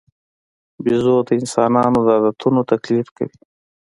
بیزو د انسانانو د عادتونو تقلید کوي.